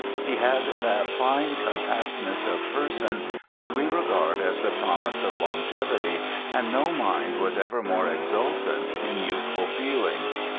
He had that fine compactness of person which we regard as the promise of longevity, and no mind was ever more exultant in youthful feeling.